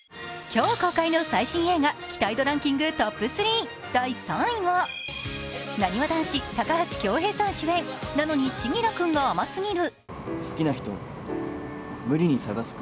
今日公開の最新映画期待度ランキングトップ３第３位はなにわ男子・高橋恭平さん主演、「なのに、千輝くんが甘すぎる」。